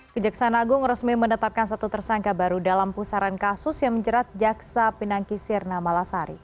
kejaksaan agung resmi menetapkan satu tersangka baru dalam pusaran kasus yang menjerat jaksa pinangki sirna malasari